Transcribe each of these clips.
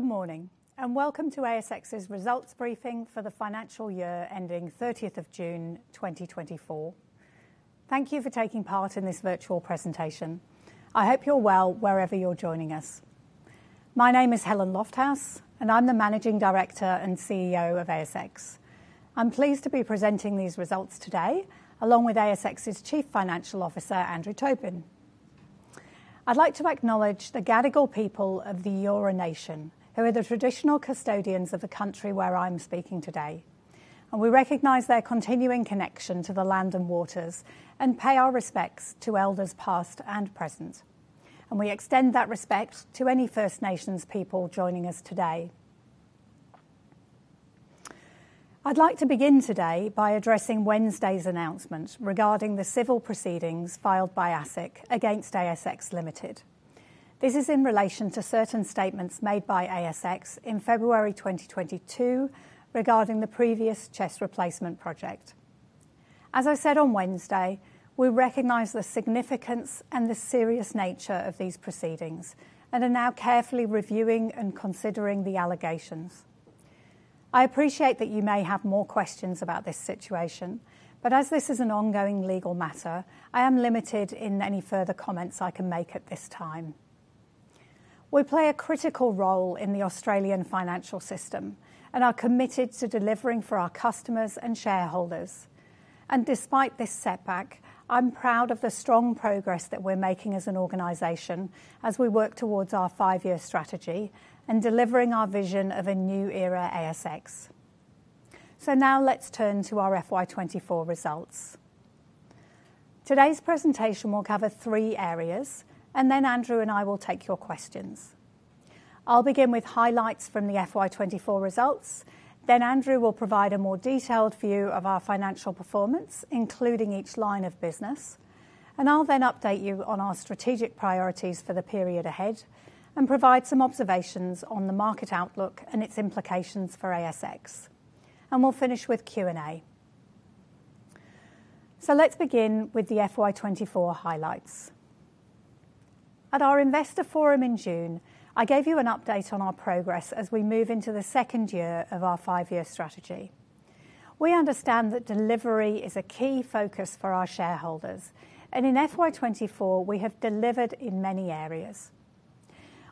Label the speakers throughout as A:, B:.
A: Good morning, and welcome to ASX's results briefing for the financial year ending 30th of June, 2024. Thank you for taking part in this virtual presentation. I hope you're well wherever you're joining us. My name is Helen Lofthouse, and I'm the Managing Director and CEO of ASX. I'm pleased to be presenting these results today, along with ASX's Chief Financial Officer, Andrew Tobin. I'd like to acknowledge the Gadigal people of the Eora Nation, who are the traditional custodians of the country where I'm speaking today, and we recognize their continuing connection to the land and waters, and pay our respects to elders, past and present, and we extend that respect to any First Nations people joining us today. I'd like to begin today by addressing Wednesday's announcement regarding the civil proceedings filed by ASIC against ASX Limited. This is in relation to certain statements made by ASX in February 2022 regarding the previous CHESS replacement project. As I said on Wednesday, we recognize the significance and the serious nature of these proceedings and are now carefully reviewing and considering the allegations. I appreciate that you may have more questions about this situation, but as this is an ongoing legal matter, I am limited in any further comments I can make at this time. We play a critical role in the Australian financial system and are committed to delivering for our customers and shareholders. And despite this setback, I'm proud of the strong progress that we're making as an organization, as we work towards our five-year strategy and delivering our vision of a new era ASX. So now let's turn to our FY 2024 results. Today's presentation will cover three areas, and then Andrew and I will take your questions. I'll begin with highlights from the FY 2024 results, then Andrew will provide a more detailed view of our financial performance, including each line of business, and I'll then update you on our strategic priorities for the period ahead and provide some observations on the market outlook and its implications for ASX, and we'll finish with Q&A. Let's begin with the FY 2024 highlights. At our investor forum in June, I gave you an update on our progress as we move into the second year of our five-year strategy. We understand that delivery is a key focus for our shareholders, and in FY 2024, we have delivered in many areas.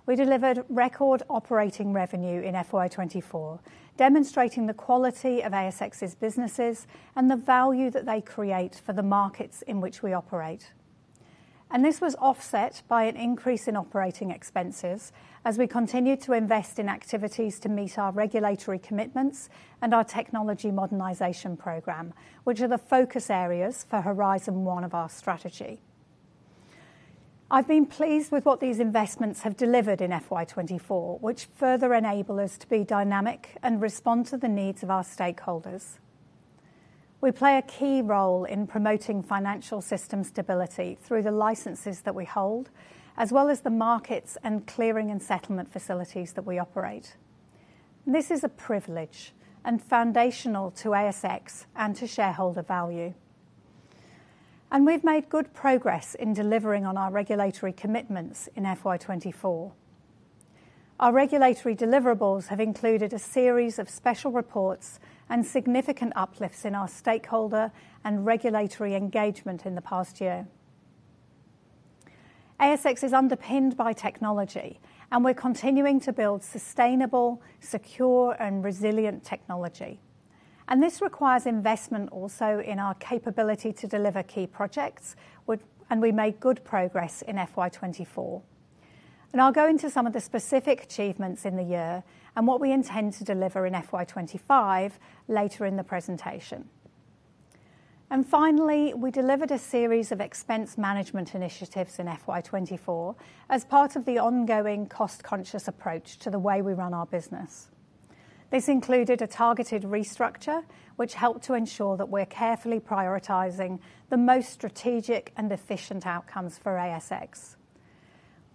A: We delivered record operating revenue in FY 2024, demonstrating the quality of ASX's businesses and the value that they create for the markets in which we operate. This was offset by an increase in operating expenses as we continued to invest in activities to meet our regulatory commitments and our technology modernization program, which are the focus areas for Horizon One of our strategy. I've been pleased with what these investments have delivered in FY 2024, which further enable us to be dynamic and respond to the needs of our stakeholders. We play a key role in promoting financial system stability through the licenses that we hold, as well as the markets and clearing and settlement facilities that we operate. This is a privilege and foundational to ASX and to shareholder value. We've made good progress in delivering on our regulatory commitments in FY 2024. Our regulatory deliverables have included a series of special reports and significant uplifts in our stakeholder and regulatory engagement in the past year. ASX is underpinned by technology, and we're continuing to build sustainable, secure, and resilient technology. This requires investment also in our capability to deliver key projects, and we made good progress in FY 2024. I'll go into some of the specific achievements in the year and what we intend to deliver in FY 2025 later in the presentation. Finally, we delivered a series of expense management initiatives in FY 2024 as part of the ongoing cost-conscious approach to the way we run our business. This included a targeted restructure, which helped to ensure that we're carefully prioritizing the most strategic and efficient outcomes for ASX.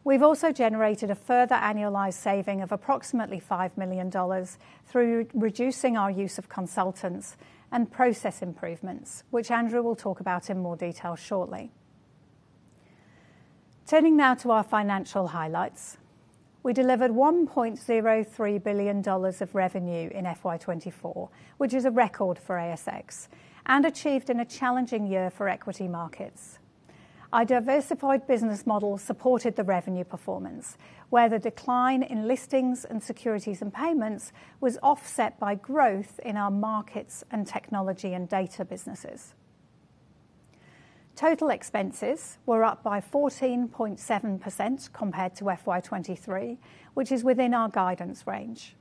A: We've also generated a further annualized saving of approximately 5 million dollars through reducing our use of consultants and process improvements, which Andrew will talk about in more detail shortly. Turning now to our financial highlights, we delivered 1.03 billion dollars of revenue in FY 2024, which is a record for ASX and achieved in a challenging year for equity markets. Our diversified business model supported the revenue performance, where the decline in listings and securities and payments was offset by growth in our markets and technology and data businesses. Total expenses were up by 14.7% compared to FY 2023, which is within our guidance range,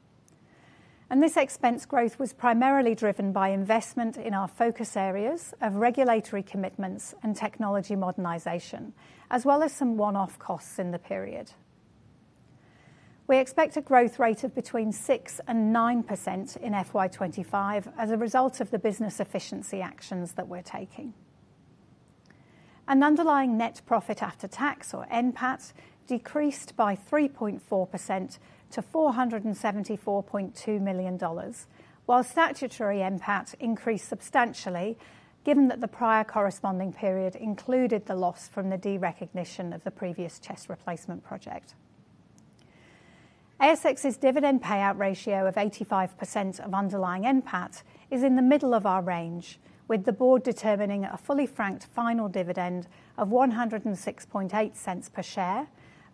A: and this expense growth was primarily driven by investment in our focus areas of regulatory commitments and technology modernization, as well as some one-off costs in the period. We expect a growth rate of between 6% and 9% in FY 2025 as a result of the business efficiency actions that we're taking. An underlying net profit after tax, or NPAT, decreased by 3.4% to 474.2 million dollars, while statutory NPAT increased substantially, given that the prior corresponding period included the loss from the derecognition of the previous CHESS replacement project. ASX's dividend payout ratio of 85% of underlying NPAT is in the middle of our range, with the board determining a fully franked final dividend of 1.068 per share,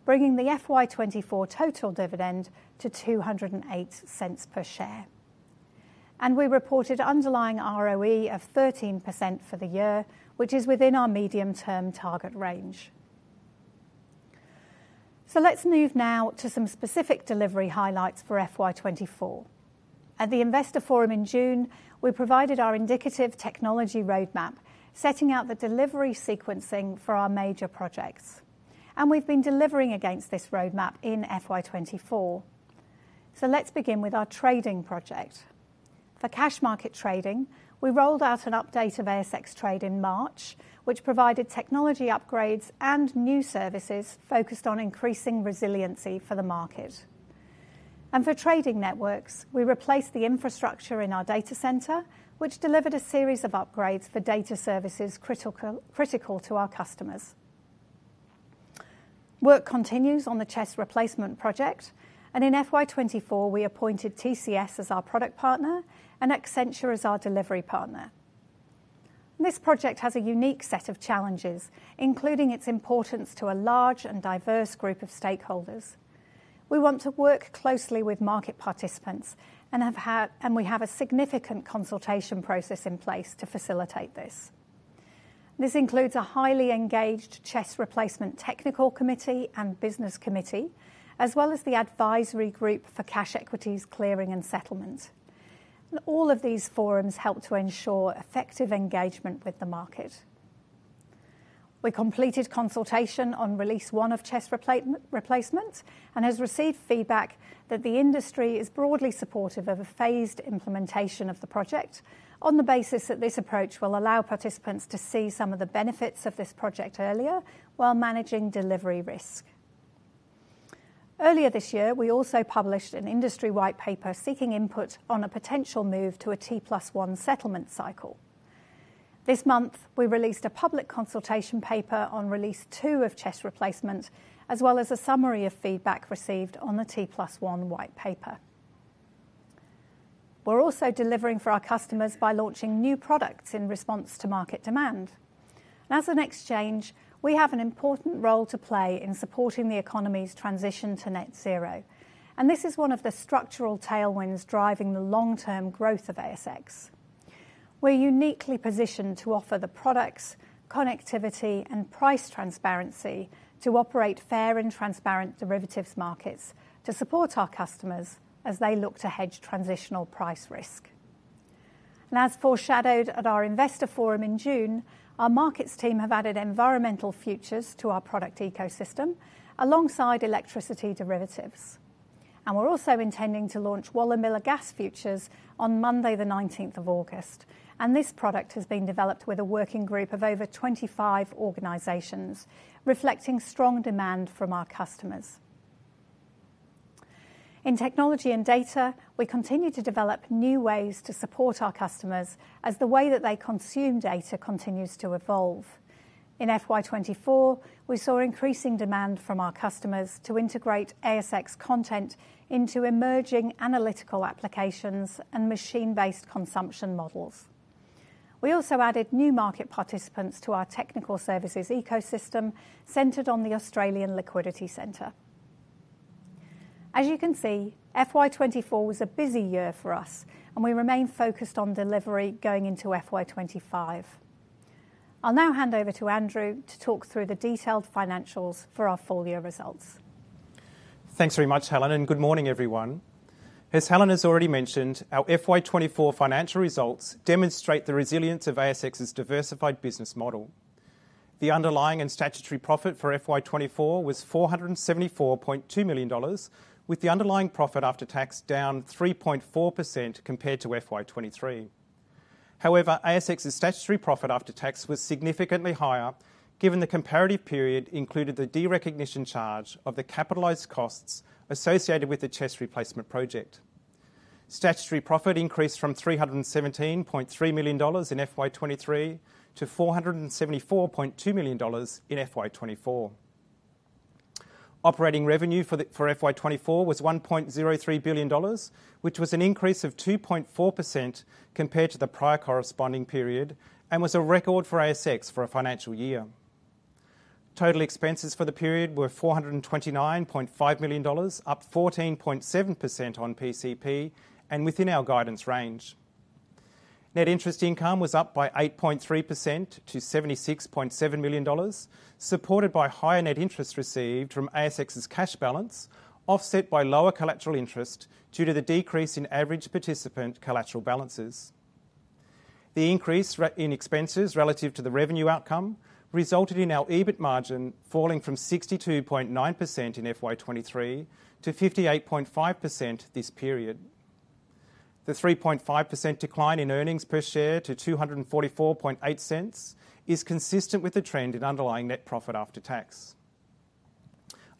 A: bringing the FY 2024 total dividend to 2.08 per share. We reported underlying ROE of 13% for the year, which is within our medium-term target range. So let's move now to some specific delivery highlights for FY 2024. At the Investor Forum in June, we provided our indicative technology roadmap, setting out the delivery sequencing for our major projects, and we've been delivering against this roadmap in FY 2024. So let's begin with our trading project. For cash market trading, we rolled out an update of ASX Trade in March, which provided technology upgrades and new services focused on increasing resiliency for the market. And for trading networks, we replaced the infrastructure in our data center, which delivered a series of upgrades for data services critical to our customers. Work continues on the CHESS Replacement project, and in FY 2024, we appointed TCS as our product partner and Accenture as our delivery partner. This project has a unique set of challenges, including its importance to a large and diverse group of stakeholders. We want to work closely with market participants, and we have a significant consultation process in place to facilitate this. This includes a highly engaged CHESS Replacement Technical Committee and Business Committee, as well as the advisory group for cash equities, clearing, and settlement. All of these forums help to ensure effective engagement with the market. We completed consultation on release one of CHESS Replacement, and have received feedback that the industry is broadly supportive of a phased implementation of the project on the basis that this approach will allow participants to see some of the benefits of this project earlier, while managing delivery risk. Earlier this year, we also published an industry-wide paper seeking input on a potential move to a T plus one settlement cycle. This month, we released a public consultation paper on release 2 of CHESS Replacement, as well as a summary of feedback received on the T+1 white paper. We're also delivering for our customers by launching new products in response to market demand. As an exchange, we have an important role to play in supporting the economy's transition to net zero, and this is one of the structural tailwinds driving the long-term growth of ASX. We're uniquely positioned to offer the products, connectivity, and price transparency to operate fair and transparent derivatives markets to support our customers as they look to hedge transitional price risk. As foreshadowed at our investor forum in June, our markets team have added environmental futures to our product ecosystem alongside electricity derivatives. We're also intending to launch Wallumbilla Gas Futures on Monday, the 19th of August, and this product has been developed with a working group of over 25 organizations, reflecting strong demand from our customers. In technology and data, we continue to develop new ways to support our customers as the way that they consume data continues to evolve. In FY 2024, we saw increasing demand from our customers to integrate ASX content into emerging analytical applications and machine-based consumption models. We also added new market participants to our technical services ecosystem, centered on the Australian Liquidity Centre. As you can see, FY 2024 was a busy year for us, and we remain focused on delivery going into FY 2025. I'll now hand over to Andrew to talk through the detailed financials for our full year results.
B: Thanks very much, Helen, and good morning, everyone. As Helen has already mentioned, our FY 2024 financial results demonstrate the resilience of ASX's diversified business model. The underlying and statutory profit for FY 2024 was 474.2 million dollars, with the underlying profit after tax down 3.4% compared to FY 2023. However, ASX's statutory profit after tax was significantly higher, given the comparative period included the derecognition charge of the capitalized costs associated with the CHESS Replacement project. Statutory profit increased from 317.3 million dollars in FY 2023 to 474.2 million dollars in FY 2024. Operating revenue for FY 2024 was 1.03 billion dollars, which was an increase of 2.4% compared to the prior corresponding period and was a record for ASX for a financial year. Total expenses for the period were 429.5 million dollars, up 14.7% on PCP and within our guidance range. Net interest income was up by 8.3% to 76.7 million dollars, supported by higher net interest received from ASX's cash balance, offset by lower collateral interest due to the decrease in average participant collateral balances. The increase in expenses relative to the revenue outcome resulted in our EBIT margin falling from 62.9% in FY 2023 to 58.5% this period. The 3.5% decline in earnings per share to 2.448 is consistent with the trend in underlying net profit after tax.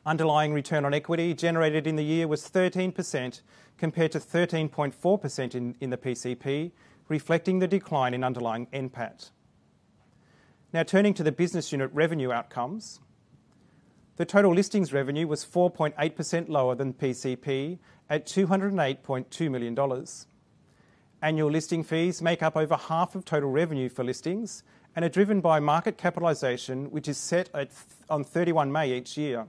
B: Underlying return on equity generated in the year was 13%, compared to 13.4% in the PCP, reflecting the decline in underlying NPAT. Now turning to the business unit revenue outcomes. The total listings revenue was 4.8% lower than PCP at 208.2 million dollars. Annual listing fees make up over half of total revenue for listings and are driven by market capitalization, which is set at on 31 May each year.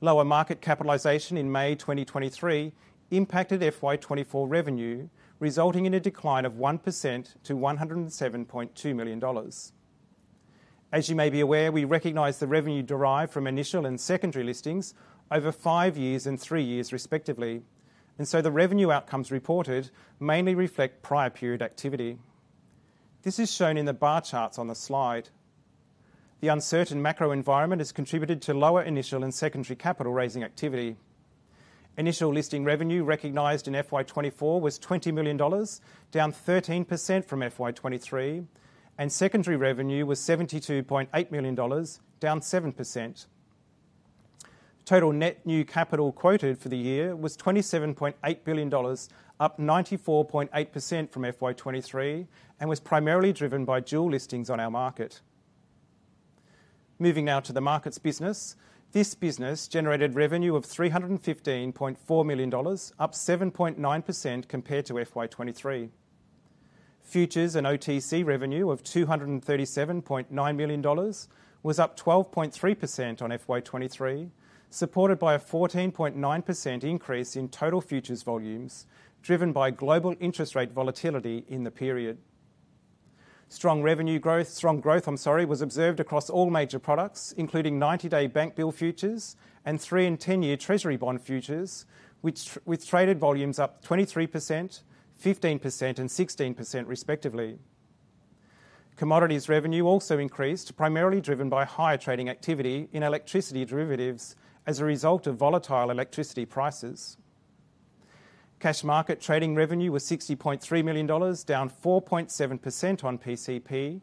B: Lower market capitalization in May 2023 impacted FY 2024 revenue, resulting in a decline of 1% to 107.2 million dollars. As you may be aware, we recognize the revenue derived from initial and secondary listings over five years and three years, respectively, and so the revenue outcomes reported mainly reflect prior period activity. This is shown in the bar charts on the slide. The uncertain macro environment has contributed to lower initial and secondary capital raising activity. Initial listing revenue recognized in FY 2024 was 20 million dollars, down 13% from FY 2023, and secondary revenue was 72.8 million dollars, down 7%. Total net new capital quoted for the year was 27.8 billion dollars, up 94.8% from FY 2023, and was primarily driven by dual listings on our market. Moving now to the markets business. This business generated revenue of 315.4 million dollars, up 7.9% compared to FY 2023. Futures and OTC revenue of 237.9 million dollars was up 12.3% on FY 2023, supported by a 14.9% increase in total futures volumes, driven by global interest rate volatility in the period. Strong revenue growth, strong growth, I'm sorry, was observed across all major products, including 90-day bank bill futures and 3- and 10-year treasury bond futures, which, with traded volumes up 23%, 15%, and 16% respectively. Commodities revenue also increased, primarily driven by higher trading activity in electricity derivatives as a result of volatile electricity prices. Cash market trading revenue was 60.3 million dollars, down 4.7% on PCP,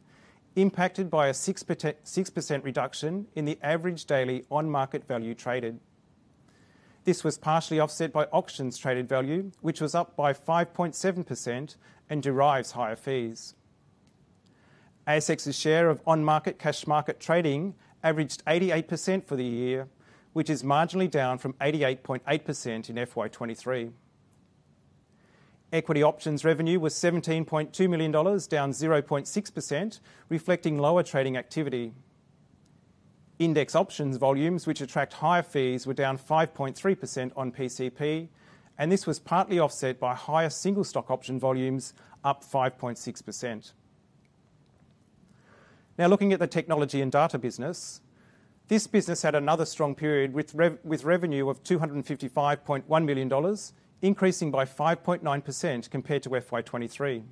B: impacted by a 6% reduction in the average daily on-market value traded. This was partially offset by auctions traded value, which was up by 5.7% and derives higher fees. ASX's share of on-market cash market trading averaged 88% for the year, which is marginally down from 88.8% in FY 2023. Equity options revenue was 17.2 million dollars, down 0.6%, reflecting lower trading activity. Index options volumes, which attract higher fees, were down 5.3% on PCP, and this was partly offset by higher single stock option volumes, up 5.6%. Now, looking at the technology and data business. This business had another strong period with revenue of 255.1 million dollars, increasing by 5.9% compared to FY 2023.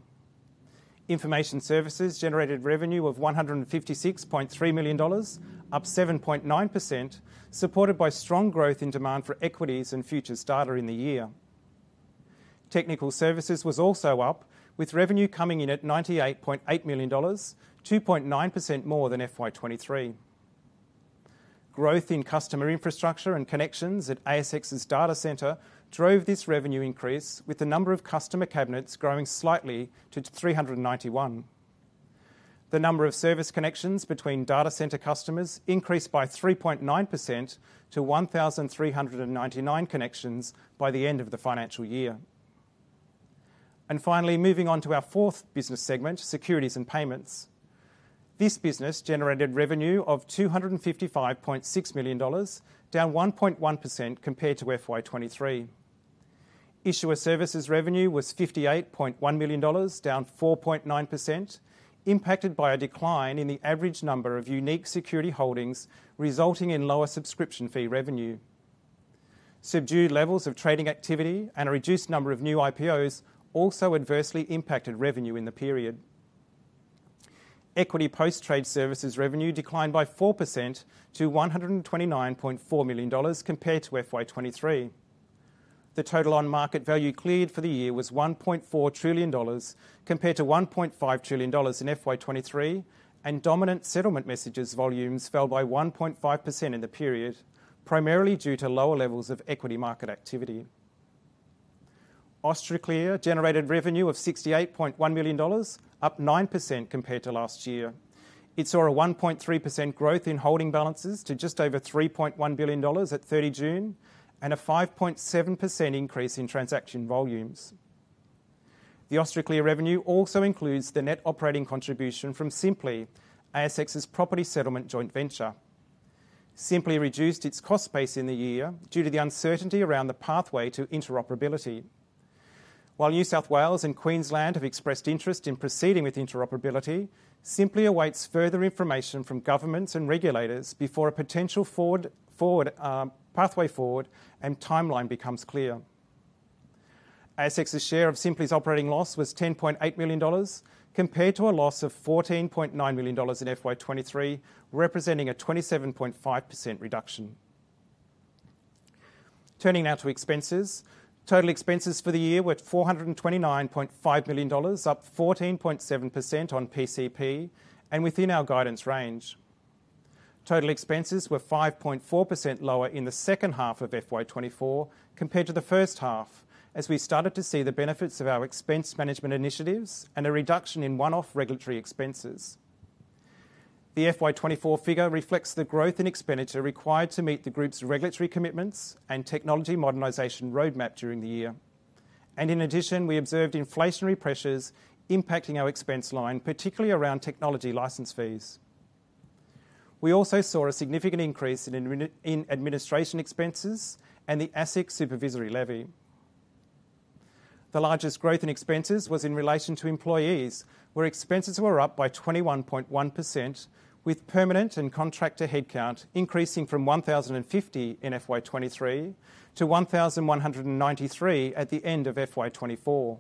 B: Information services generated revenue of 156.3 million dollars, up 7.9%, supported by strong growth in demand for equities and futures data in the year. Technical services was also up, with revenue coming in at 98.8 million dollars, 2.9% more than FY 2023. Growth in customer infrastructure and connections at ASX's data center drove this revenue increase, with the number of customer cabinets growing slightly to 391. The number of service connections between data center customers increased by 3.9% to 1,399 connections by the end of the financial year. And finally, moving on to our fourth business segment, securities and payments. This business generated revenue of 255.6 million dollars, down 1.1% compared to FY 2023. Issuer services revenue was 58.1 million dollars, down 4.9%, impacted by a decline in the average number of unique security holdings, resulting in lower subscription fee revenue. Subdued levels of trading activity and a reduced number of new IPOs also adversely impacted revenue in the period. Equity post-trade services revenue declined by 4% to 129.4 million dollars compared to FY 2023. The total on-market value cleared for the year was 1.4 trillion dollars, compared to 1.5 trillion dollars in FY 2023, and dominant settlement messages volumes fell by 1.5% in the period, primarily due to lower levels of equity market activity. Austraclear generated revenue of 68.1 million dollars, up 9% compared to last year. It saw a 1.3% growth in holding balances to just over 3.1 billion dollars at 30 June, and a 5.7% increase in transaction volumes. The ASX Clear revenue also includes the net operating contribution from Sympli, ASX's property settlement joint venture. Simpli reduced its cost base in the year due to the uncertainty around the pathway to interoperability. While New South Wales and Queensland have expressed interest in proceeding with interoperability, Sympli awaits further information from governments and regulators before a potential forward, forward, pathway forward and timeline becomes clear. ASX's share of Sympli's operating loss was 10.8 million dollars, compared to a loss of 14.9 million dollars in FY 2023, representing a 27.5% reduction. Turning now to expenses. Total expenses for the year were 429.5 million dollars, up 14.7% on PCP and within our guidance range. Total expenses were 5.4% lower in the second half of FY 2024 compared to the first half, as we started to see the benefits of our expense management initiatives and a reduction in one-off regulatory expenses. The FY 2024 figure reflects the growth in expenditure required to meet the group's regulatory commitments and technology modernization roadmap during the year. In addition, we observed inflationary pressures impacting our expense line, particularly around technology license fees. We also saw a significant increase in administration expenses and the ASIC Supervisory Levy. The largest growth in expenses was in relation to employees, where expenses were up by 21.1%, with permanent and contractor headcount increasing from 1,050 in FY 2023 to 1,193 at the end of FY 2024.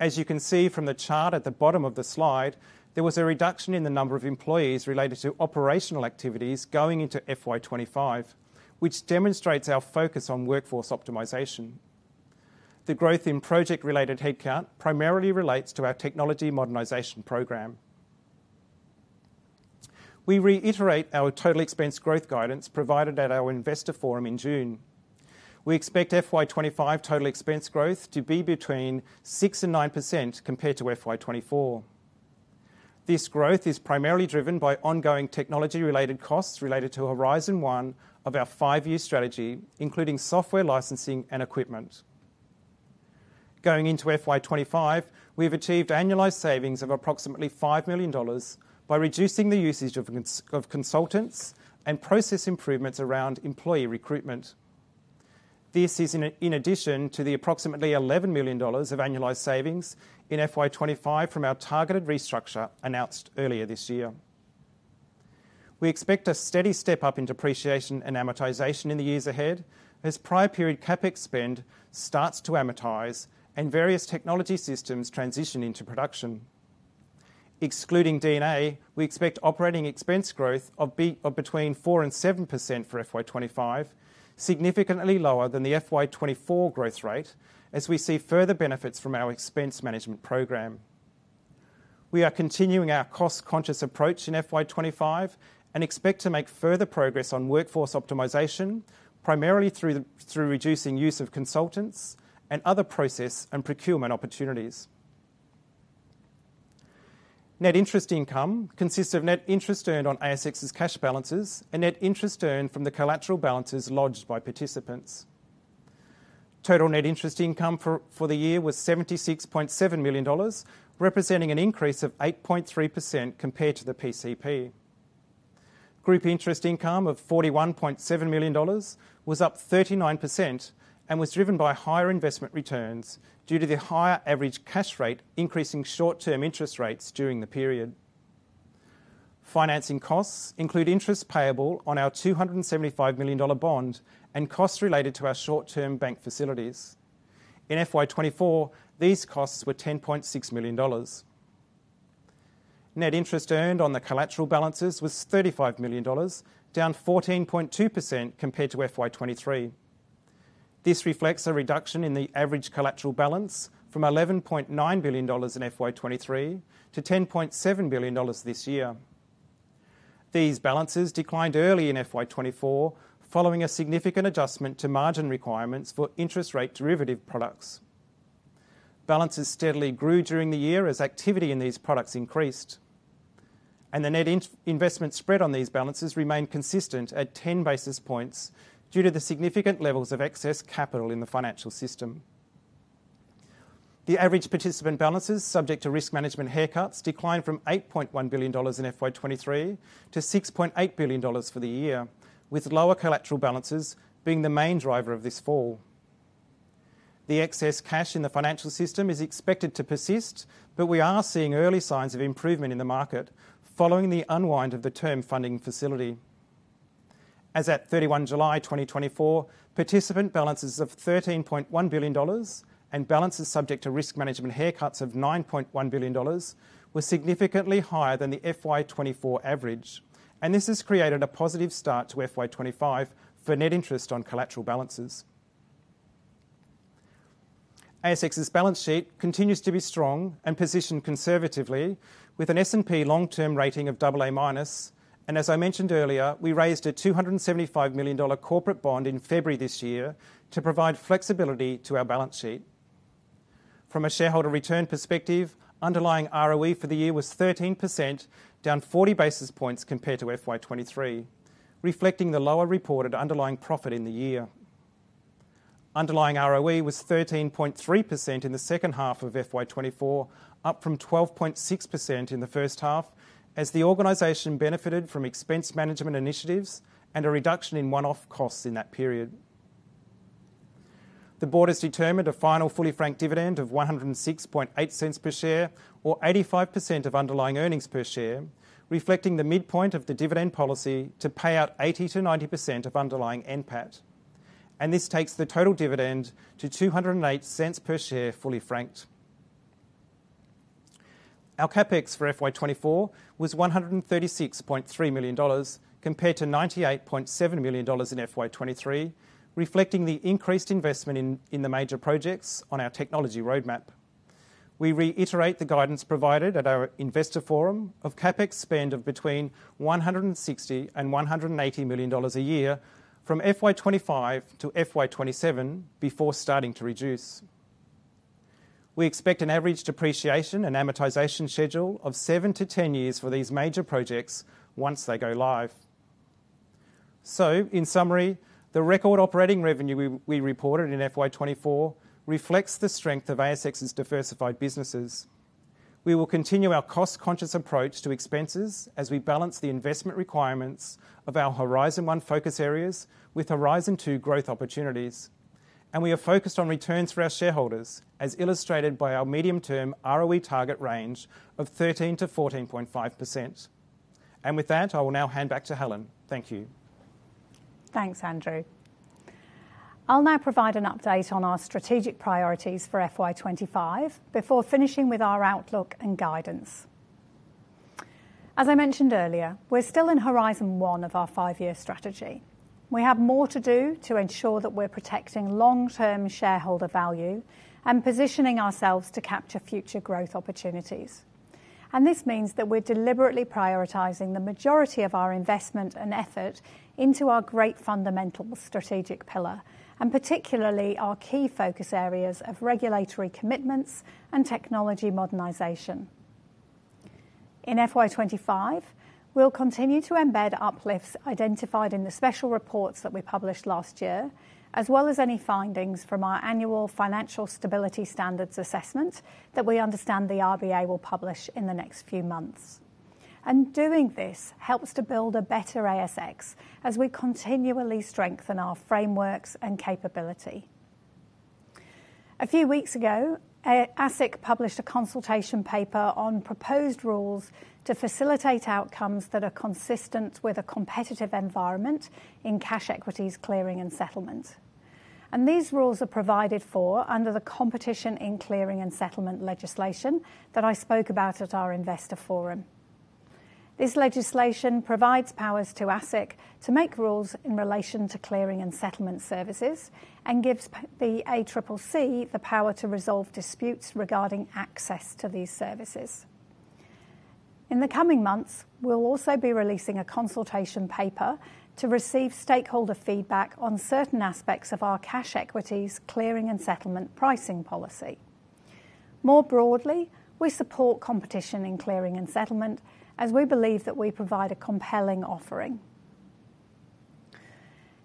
B: As you can see from the chart at the bottom of the slide, there was a reduction in the number of employees related to operational activities going into FY 2025, which demonstrates our focus on workforce optimization. The growth in project-related headcount primarily relates to our technology modernization program. We reiterate our total expense growth guidance provided at our investor forum in June. We expect FY 2025 total expense growth to be between 6% and 9% compared to FY 2024. This growth is primarily driven by ongoing technology-related costs related to Horizon One of our five-year strategy, including software licensing and equipment. Going into FY 2025, we have achieved annualized savings of approximately 5 million dollars by reducing the usage of consultants and process improvements around employee recruitment. This is in addition to the approximately 11 million dollars of annualized savings in FY 2025 from our targeted restructure announced earlier this year. We expect a steady step-up in depreciation and amortization in the years ahead, as prior period CapEx spend starts to amortize and various technology systems transition into production. Excluding D&A, we expect operating expense growth of between 4% and 7% for FY 2025, significantly lower than the FY 2024 growth rate, as we see further benefits from our expense management program. We are continuing our cost-conscious approach in FY 2025 and expect to make further progress on workforce optimization, primarily through reducing use of consultants and other process and procurement opportunities. Net interest income consists of net interest earned on ASX's cash balances and net interest earned from the collateral balances lodged by participants. Total net interest income for the year was 76.7 million dollars, representing an increase of 8.3% compared to the PCP. Group interest income of 41.7 million dollars was up 39% and was driven by higher investment returns due to the higher average cash rate, increasing short-term interest rates during the period. Financing costs include interest payable on our 275 million dollar bond and costs related to our short-term bank facilities. In FY 2024, these costs were 10.6 million dollars. Net interest earned on the collateral balances was 35 million dollars, down 14.2% compared to FY 2023. This reflects a reduction in the average collateral balance from $11.9 billion in FY 2023 to $10.7 billion this year. These balances declined early in FY 2024, following a significant adjustment to margin requirements for interest rate derivative products. Balances steadily grew during the year as activity in these products increased, and the net investment spread on these balances remained consistent at 10 basis points due to the significant levels of excess capital in the financial system. The average participant balances subject to risk management haircuts declined from $8.1 billion in FY 2023 to $6.8 billion for the year, with lower collateral balances being the main driver of this fall. The excess cash in the financial system is expected to persist, but we are seeing early signs of improvement in the market following the unwind of the term funding facility. As at 31 July 2024, participant balances of 13.1 billion dollars and balances subject to risk management haircuts of 9.1 billion dollars were significantly higher than the FY 2024 average, and this has created a positive start to FY 2025 for net interest on collateral balances. ASX's balance sheet continues to be strong and positioned conservatively with an S&P long-term rating of AA-, and as I mentioned earlier, we raised a 275 million dollar corporate bond in February this year to provide flexibility to our balance sheet. From a shareholder return perspective, underlying ROE for the year was 13%, down 40 basis points compared to FY 2023, reflecting the lower reported underlying profit in the year. Underlying ROE was 13.3% in the second half of FY 2024, up from 12.6% in the first half, as the organization benefited from expense management initiatives and a reduction in one-off costs in that period. The board has determined a final fully franked dividend of 1.068 per share, or 85% of underlying earnings per share, reflecting the midpoint of the dividend policy to pay out 80%-90% of underlying NPAT. This takes the total dividend to 2.08 per share, fully franked. Our CapEx for FY 2024 was AUD 136.3 million, compared to AUD 98.7 million in FY 2023, reflecting the increased investment in the major projects on our technology roadmap. We reiterate the guidance provided at our investor forum of CapEx spend of between 160 million and 180 million dollars a year from FY 2025 to FY 2027 before starting to reduce. We expect an average depreciation and amortization schedule of 7-10 years for these major projects once they go live. So in summary, the record operating revenue we reported in FY 2024 reflects the strength of ASX's diversified businesses. We will continue our cost-conscious approach to expenses as we balance the investment requirements of our Horizon One focus areas with Horizon Two growth opportunities. We are focused on returns for our shareholders, as illustrated by our medium-term ROE target range of 13%-14.5%. With that, I will now hand back to Helen. Thank you.
A: Thanks, Andrew. I'll now provide an update on our strategic priorities for FY 2025 before finishing with our outlook and guidance. As I mentioned earlier, we're still in Horizon 1 of our 5-year strategy. We have more to do to ensure that we're protecting long-term shareholder value and positioning ourselves to capture future growth opportunities. This means that we're deliberately prioritizing the majority of our investment and effort into our great fundamental strategic pillar, and particularly our key focus areas of regulatory commitments and technology modernization. In FY 2025, we'll continue to embed uplifts identified in the special reports that we published last year, as well as any findings from our annual financial stability standards assessment, that we understand the RBA will publish in the next few months. Doing this helps to build a better ASX as we continually strengthen our frameworks and capability. A few weeks ago, ASIC published a consultation paper on proposed rules to facilitate outcomes that are consistent with a competitive environment in cash equities, clearing, and settlement. These rules are provided for under the competition in clearing and settlement legislation that I spoke about at our investor forum. This legislation provides powers to ASIC to make rules in relation to clearing and settlement services and gives the ACCC the power to resolve disputes regarding access to these services. In the coming months, we'll also be releasing a consultation paper to receive stakeholder feedback on certain aspects of our cash equities, clearing, and settlement pricing policy. More broadly, we support competition in clearing and settlement, as we believe that we provide a compelling offering.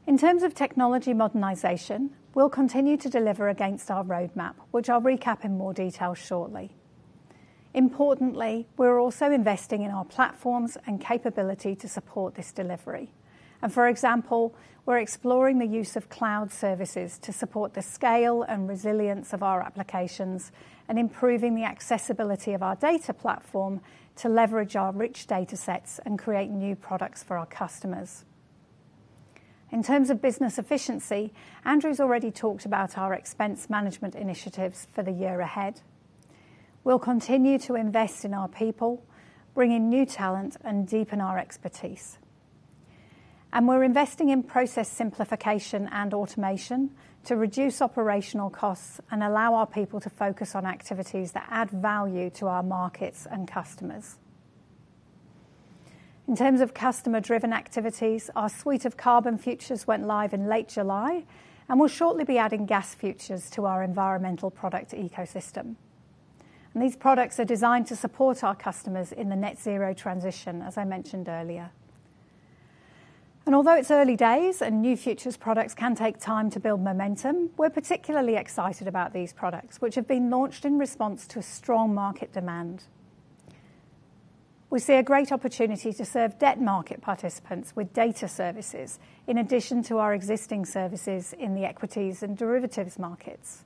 A: In terms of technology modernization, we'll continue to deliver against our roadmap, which I'll recap in more detail shortly. Importantly, we're also investing in our platforms and capability to support this delivery. For example, we're exploring the use of cloud services to support the scale and resilience of our applications, and improving the accessibility of our data platform to leverage our rich data sets and create new products for our customers. In terms of business efficiency, Andrew's already talked about our expense management initiatives for the year ahead. We'll continue to invest in our people, bring in new talent, and deepen our expertise. We're investing in process simplification and automation to reduce operational costs and allow our people to focus on activities that add value to our markets and customers. In terms of customer-driven activities, our suite of carbon futures went live in late July, and we'll shortly be adding gas futures to our environmental product ecosystem. These products are designed to support our customers in the net zero transition, as I mentioned earlier. And although it's early days and new futures products can take time to build momentum, we're particularly excited about these products, which have been launched in response to strong market demand. We see a great opportunity to serve debt market participants with data services, in addition to our existing services in the equities and derivatives markets.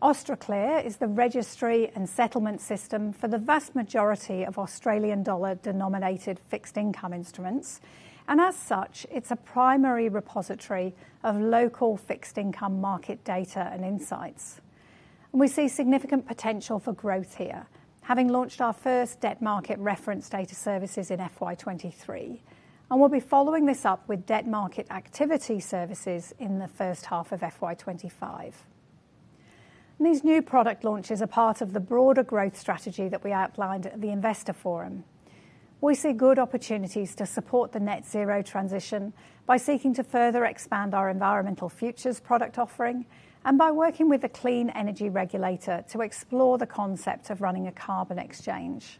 A: Austraclear is the registry and settlement system for the vast majority of Australian dollar-denominated fixed income instruments, and as such, it's a primary repository of local fixed income market data and insights. We see significant potential for growth here, having launched our first debt market reference data services in FY 2023, and we'll be following this up with debt market activity services in the first half of FY 2025. These new product launches are part of the broader growth strategy that we outlined at the investor forum. We see good opportunities to support the net zero transition by seeking to further expand our environmental futures product offering, and by working with a clean energy regulator to explore the concept of running a carbon exchange.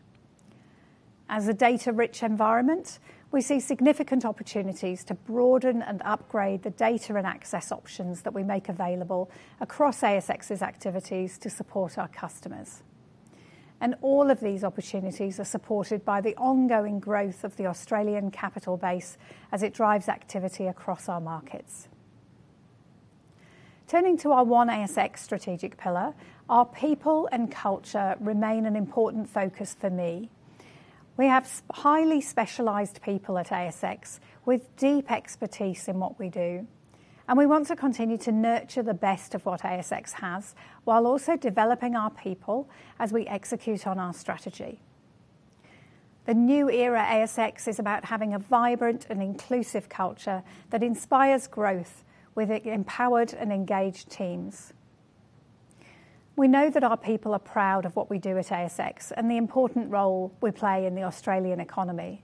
A: As a data-rich environment, we see significant opportunities to broaden and upgrade the data and access options that we make available across ASX's activities to support our customers. All of these opportunities are supported by the ongoing growth of the Australian capital base as it drives activity across our markets. Turning to our One ASX strategic pillar, our people and culture remain an important focus for me. We have highly specialized people at ASX, with deep expertise in what we do, and we want to continue to nurture the best of what ASX has, while also developing our people as we execute on our strategy. The new era ASX is about having a vibrant and inclusive culture that inspires growth with empowered and engaged teams. We know that our people are proud of what we do at ASX, and the important role we play in the Australian economy.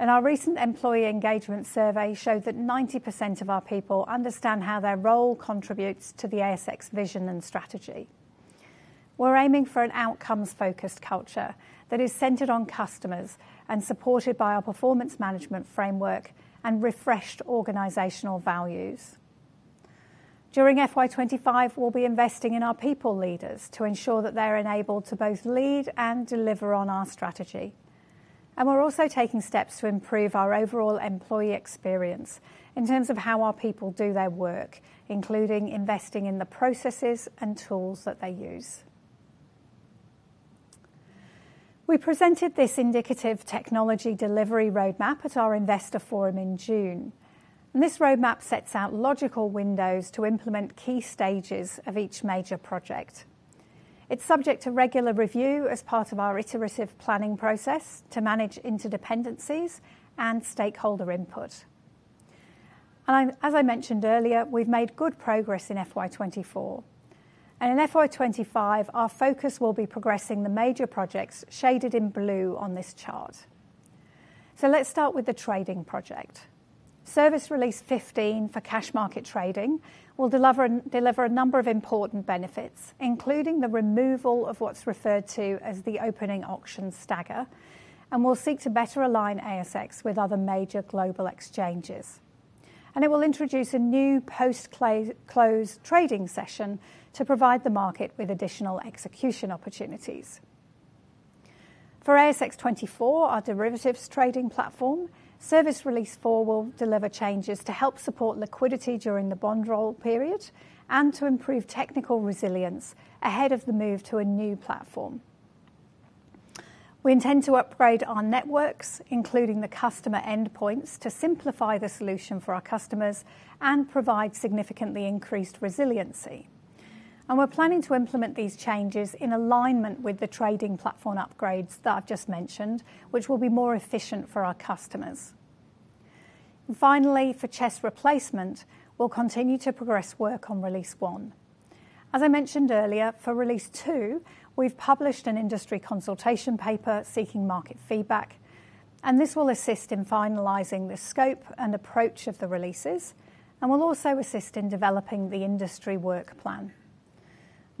A: Our recent employee engagement survey showed that 90% of our people understand how their role contributes to the ASX vision and strategy. We're aiming for an outcomes-focused culture that is centered on customers and supported by our performance management framework and refreshed organizational values. During FY 2025, we'll be investing in our people leaders to ensure that they're enabled to both lead and deliver on our strategy. We're also taking steps to improve our overall employee experience in terms of how our people do their work, including investing in the processes and tools that they use. We presented this indicative technology delivery roadmap at our investor forum in June, and this roadmap sets out logical windows to implement key stages of each major project. It's subject to regular review as part of our iterative planning process to manage interdependencies and stakeholder input. As I mentioned earlier, we've made good progress in FY 2024, and in FY 2025, our focus will be progressing the major projects shaded in blue on this chart. Let's start with the trading project. Service Release 15 for cash market trading will deliver a number of important benefits, including the removal of what's referred to as the opening auction stagger, and will seek to better align ASX with other major global exchanges. It will introduce a new post-close trading session to provide the market with additional execution opportunities. For ASX 24, our derivatives trading platform, Service Release 4 will deliver changes to help support liquidity during the bond roll period and to improve technical resilience ahead of the move to a new platform. We intend to upgrade our networks, including the customer endpoints, to simplify the solution for our customers and provide significantly increased resiliency. We're planning to implement these changes in alignment with the trading platform upgrades that I've just mentioned, which will be more efficient for our customers. Finally, for CHESS replacement, we'll continue to progress work on Release 1. As I mentioned earlier, for Release 2, we've published an industry consultation paper seeking market feedback, and this will assist in finalizing the scope and approach of the releases and will also assist in developing the industry work plan.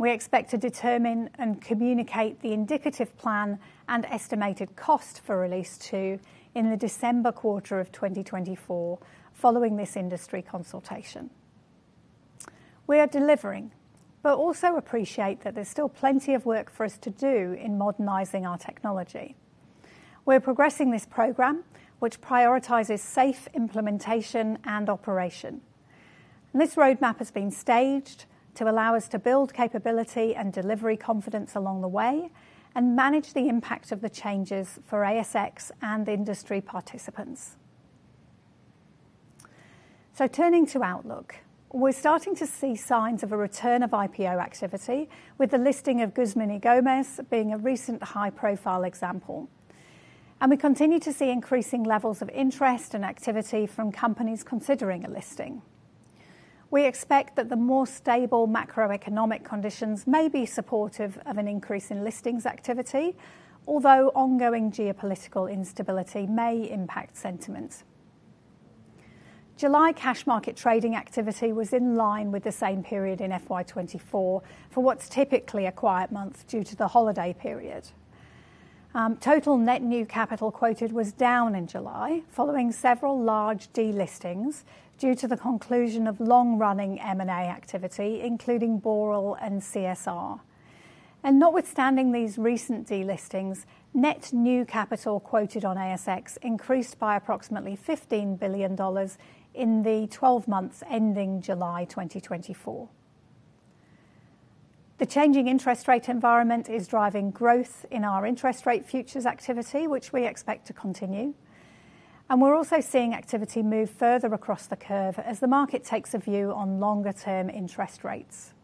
A: We expect to determine and communicate the indicative plan and estimated cost for Release 2 in the December quarter of 2024, following this industry consultation. We are delivering, but also appreciate that there's still plenty of work for us to do in modernizing our technology. We're progressing this program, which prioritizes safe implementation and operation. This roadmap has been staged to allow us to build capability and delivery confidence along the way and manage the impact of the changes for ASX and industry participants. Turning to outlook. We're starting to see signs of a return of IPO activity, with the listing of Guzman y Gomez being a recent high-profile example. We continue to see increasing levels of interest and activity from companies considering a listing. We expect that the more stable macroeconomic conditions may be supportive of an increase in listings activity, although ongoing geopolitical instability may impact sentiment. July cash market trading activity was in line with the same period in FY 2024, for what's typically a quiet month due to the holiday period. Total net new capital quoted was down in July, following several large delistings due to the conclusion of long-running M&A activity, including Boral and CSR. Notwithstanding these recent de-listings, net new capital quoted on ASX increased by approximately 15 billion dollars in the 12 months ending July 2024. The changing interest rate environment is driving growth in our interest rate futures activity, which we expect to continue, and we're also seeing activity move further across the curve as the market takes a view on longer-term interest rates.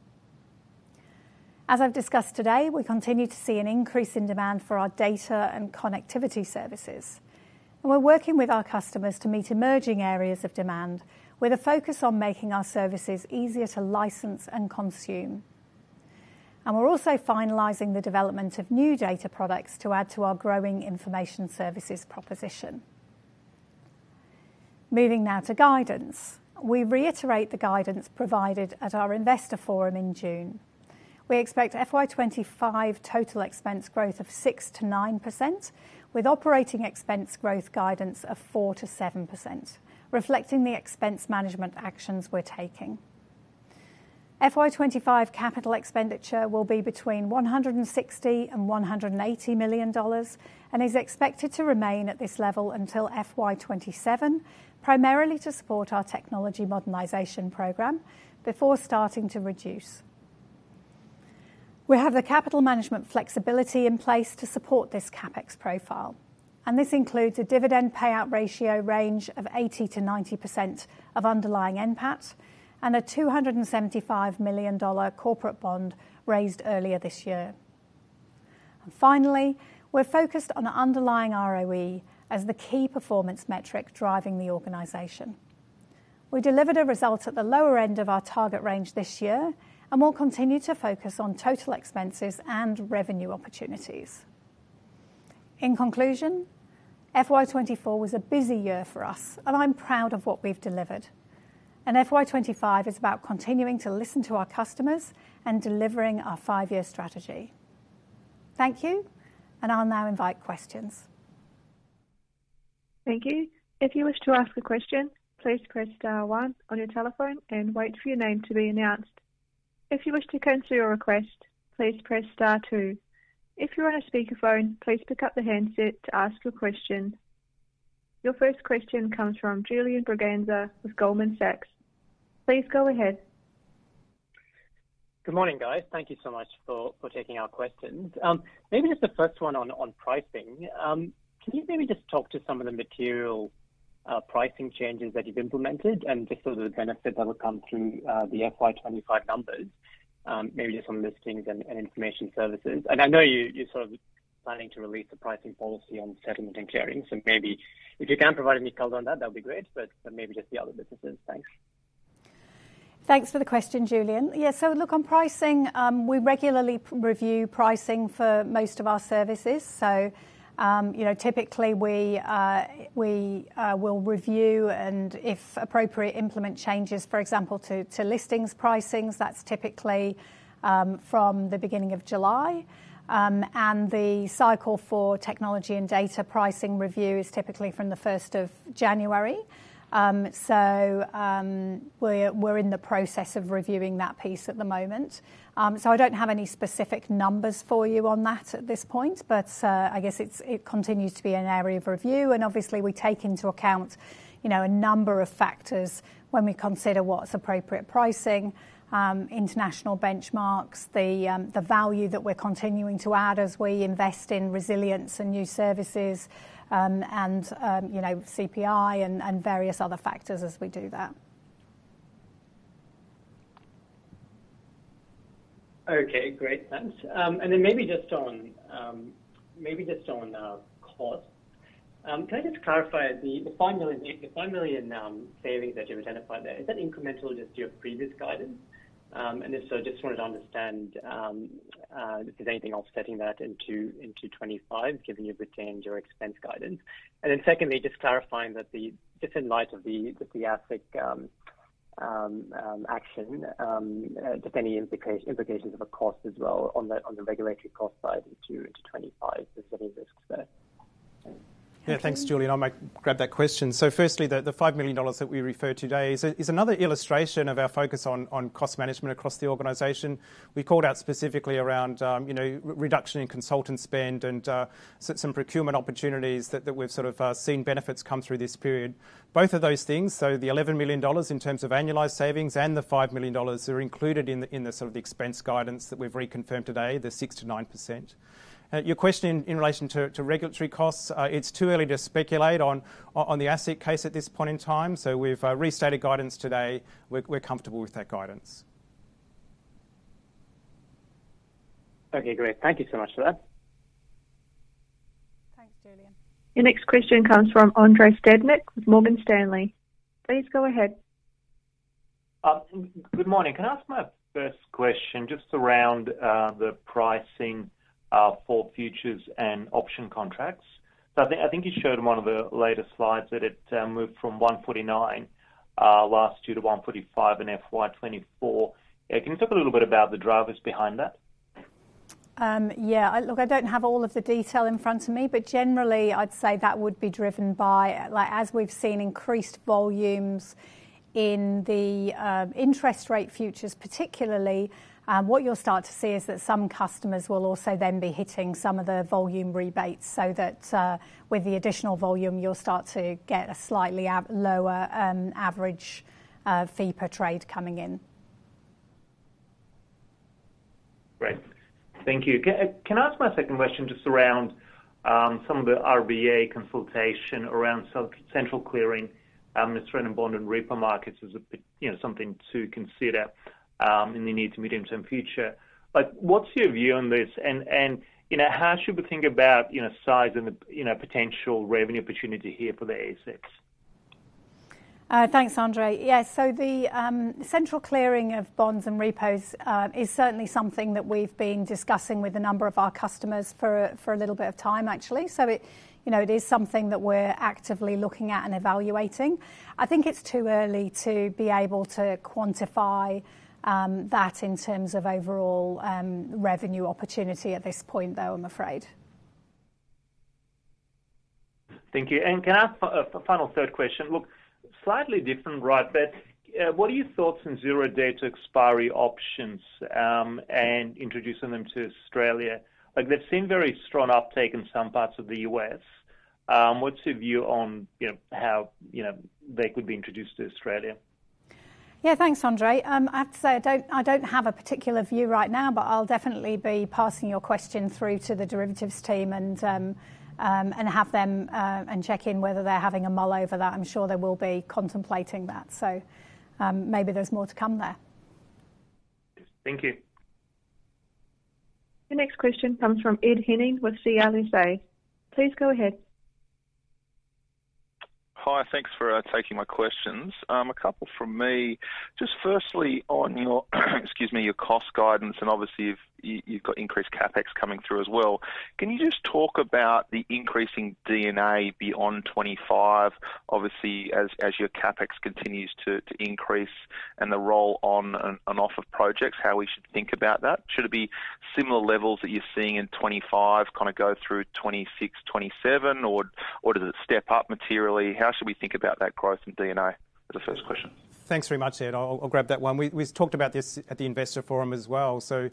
A: As I've discussed today, we continue to see an increase in demand for our data and connectivity services, and we're working with our customers to meet emerging areas of demand, with a focus on making our services easier to license and consume. We're also finalizing the development of new data products to add to our growing information services proposition. Moving now to guidance. We reiterate the guidance provided at our investor forum in June. We expect FY 2025 total expense growth of 6%-9%, with operating expense growth guidance of 4%-7%, reflecting the expense management actions we're taking. FY 2025 capital expenditure will be between 160 million and 180 million dollars and is expected to remain at this level until FY 2027, primarily to support our technology modernization program, before starting to reduce. We have the capital management flexibility in place to support this CapEx profile, and this includes a dividend payout ratio range of 80%-90% of underlying NPAT and a 275 million dollar corporate bond raised earlier this year... Finally, we're focused on the underlying ROE as the key performance metric driving the organization. We delivered a result at the lower end of our target range this year, and we'll continue to focus on total expenses and revenue opportunities. In conclusion, FY 2024 was a busy year for us, and I'm proud of what we've delivered. FY 2025 is about continuing to listen to our customers and delivering our five-year strategy. Thank you, and I'll now invite questions.
C: Thank you. If you wish to ask a question, please press star one on your telephone and wait for your name to be announced. If you wish to cancel your request, please press star two. If you're on a speakerphone, please pick up the handset to ask your question. Your first question comes from Julian Braganza with Goldman Sachs. Please go ahead.
D: Good morning, guys. Thank you so much for taking our questions. Maybe just the first one on pricing. Can you maybe just talk to some of the material pricing changes that you've implemented and just sort of the benefits that will come through the FY 2025 numbers, maybe just on listings and information services? And I know you, you're sort of planning to release a pricing policy on settlement and clearing, so maybe if you can provide any color on that, that would be great, but maybe just the other businesses. Thanks.
A: Thanks for the question, Julian. Yeah, so look, on pricing, we regularly review pricing for most of our services. So, you know, typically we will review, and if appropriate, implement changes, for example, to listings pricings. That's typically from the beginning of July. And the cycle for technology and data pricing review is typically from the first of January. So, we're in the process of reviewing that piece at the moment. So I don't have any specific numbers for you on that at this point, but I guess it continues to be an area of review, and obviously, we take into account, you know, a number of factors when we consider what's appropriate pricing, international benchmarks, the value that we're continuing to add as we invest in resilience and new services, and, you know, CPI and various other factors as we do that.
D: Okay, great. Thanks. And then maybe just on cost. Can I just clarify, the 5 million savings that you've identified there, is that incremental or just your previous guidance? And if so, just wanted to understand, if there's anything offsetting that into 2025, given you've retained your expense guidance. And then secondly, just clarifying that just in light of the ASIC action, just any implications of a cost as well on the regulatory cost side into 2025, if there's any risks there.
B: Yeah, thanks, Julian. I might grab that question. So firstly, the five million dollars that we referred to today is another illustration of our focus on cost management across the organization. We called out specifically around, you know, reduction in consultant spend and some procurement opportunities that we've sort of seen benefits come through this period. Both of those things, so the 11 million dollars in terms of annualized savings and the 5 million dollars, are included in the sort of the expense guidance that we've reconfirmed today, the 6%-9%. Your question in relation to regulatory costs, it's too early to speculate on the ASIC case at this point in time, so we've restated guidance today. We're comfortable with that guidance.
D: Okay, great. Thank you so much for that.
A: Thanks, Julian.
C: Your next question comes from Andrei Stadnik with Morgan Stanley. Please go ahead.
E: Good morning. Can I ask my first question just around the pricing for futures and option contracts? So I think, I think you showed one of the later slides that it moved from 149 last year to 145 in FY 2024. Can you talk a little bit about the drivers behind that?
A: Yeah. Look, I don't have all of the detail in front of me, but generally, I'd say that would be driven by, like, as we've seen, increased volumes in the interest rate futures, particularly, what you'll start to see is that some customers will also then be hitting some of the volume rebates so that, with the additional volume, you'll start to get a slightly lower average fee per trade coming in.
E: Great. Thank you. Can I ask my second question just around some of the RBA consultation around central clearing, Australian bond and repo markets as a bit, you know, something to consider, in the near to medium-term future. Like, what's your view on this? And, you know, how should we think about, you know, size and the, you know, potential revenue opportunity here for the ASX?
A: Thanks, Andrei. Yeah, so the central clearing of bonds and repos is certainly something that we've been discussing with a number of our customers for a, for a little bit of time, actually. So it, you know, it is something that we're actively looking at and evaluating. I think it's too early to be able to quantify that in terms of overall revenue opportunity at this point, though, I'm afraid.
E: Thank you. Can I ask a final third question? Look, slightly different, right, but what are your thoughts on zero data expiry options, and introducing them to Australia? Like, they've seen very strong uptake in some parts of the U.S. What's your view on, you know, how, you know, they could be introduced to Australia?
A: Yeah, thanks, Andrei. I have to say, I don't have a particular view right now, but I'll definitely be passing your question through to the derivatives team and have them check in whether they're having a mull over that. I'm sure they will be contemplating that. So, maybe there's more to come there....
E: Thank you.
C: The next question comes from Ed Henning with CLSA. Please go ahead.
F: Hi, thanks for taking my questions. A couple from me. Just firstly, on your, excuse me, your cost guidance, and obviously you've got increased CapEx coming through as well. Can you just talk about the increasing DNA beyond 25, obviously, as your CapEx continues to increase and the roll-on and roll-off of projects, how we should think about that? Should it be similar levels that you're seeing in 25, kinda go through 26, 27, or does it step up materially? How should we think about that growth in DNA? For the first question.
B: Thanks very much, Ed. I'll grab that one. We talked about this at the investor forum as well. So,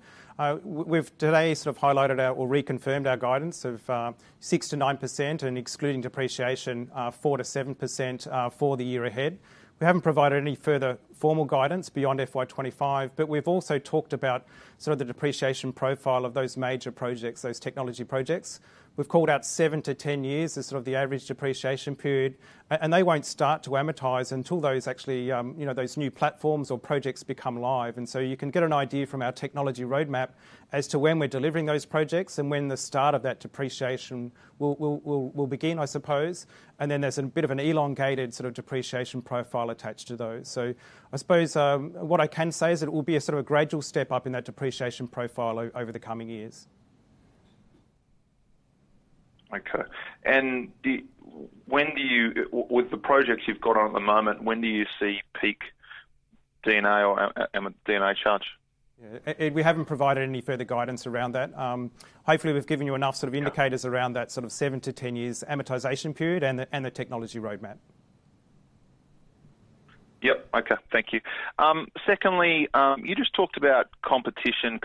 B: we've today sort of highlighted our or reconfirmed our guidance of 6%-9%, and excluding depreciation, 4%-7%, for the year ahead. We haven't provided any further formal guidance beyond FY 2025, but we've also talked about sort of the depreciation profile of those major projects, those technology projects. We've called out 7-10 years as sort of the average depreciation period, and they won't start to amortize until those actually, you know, those new platforms or projects become live. And so you can get an idea from our technology roadmap as to when we're delivering those projects and when the start of that depreciation will begin, I suppose. Then there's a bit of an elongated sort of depreciation profile attached to those. I suppose, what I can say is it will be a sort of a gradual step up in that depreciation profile over the coming years.
F: Okay. And with the projects you've got on at the moment, when do you see peak DNA or a DNA charge?
B: Yeah. Ed, we haven't provided any further guidance around that. Hopefully, we've given you enough sort of indicators-
F: Yeah.
B: around that sort of 7-10 years amortization period and the technology roadmap.
F: Yep. Okay. Thank you. Secondly, you just talked about competition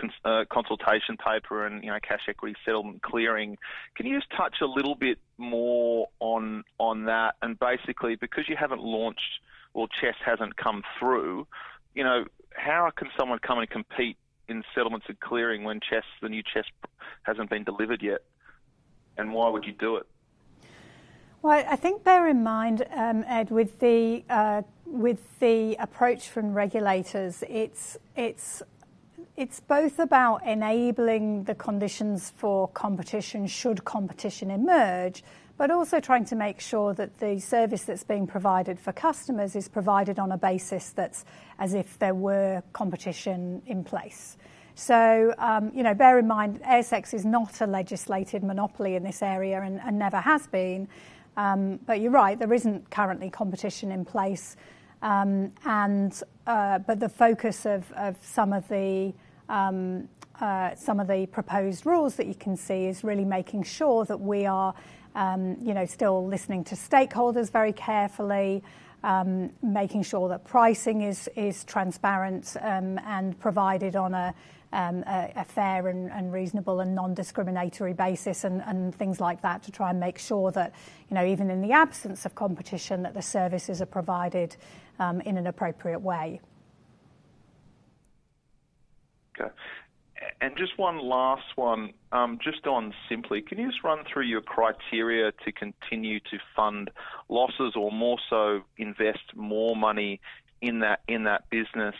F: consultation paper and, you know, cash equity, settlement clearing. Can you just touch a little bit more on, on that? And basically, because you haven't launched or CHESS hasn't come through, you know, how can someone come and compete in settlements and clearing when CHESS, the new CHESS hasn't been delivered yet, and why would you do it?
A: Well, I think bear in mind, Ed, with the approach from regulators, it's both about enabling the conditions for competition, should competition emerge, but also trying to make sure that the service that's being provided for customers is provided on a basis that's as if there were competition in place. So, you know, bear in mind, ASX is not a legislated monopoly in this area and never has been. But you're right, there isn't currently competition in place. But the focus of some of the proposed rules that you can see is really making sure that we are, you know, still listening to stakeholders very carefully, making sure that pricing is, is transparent, and provided on a, a fair and, and reasonable, and non-discriminatory basis and, and things like that, to try and make sure that, you know, even in the absence of competition, that the services are provided, in an appropriate way.
F: Okay. And just one last one, just on Simply. Can you just run through your criteria to continue to fund losses or more so invest more money in that, in that business?